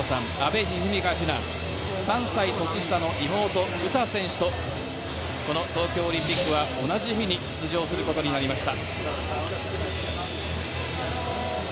３歳下の妹詩選手と東京オリンピックは同じ日に出場となりました。